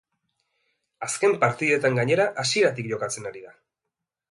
Azken partidetan gainera, hasieratik jokatzen ari da.